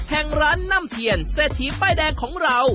แห่งร้านนั่มเทียนเสธีป้ายแดงของเรา